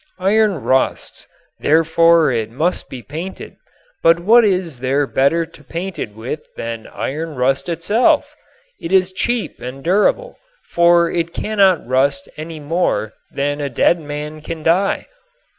Iron rusts, therefore it must be painted; but what is there better to paint it with than iron rust itself? It is cheap and durable, for it cannot rust any more than a dead man can die.